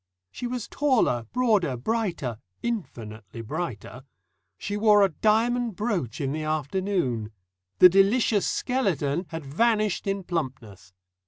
She was taller, broader, brighter infinitely brighter. She wore a diamond brooch in the afternoon. The "delicious skeleton" had vanished in plumpness.